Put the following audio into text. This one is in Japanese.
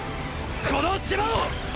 この島を！！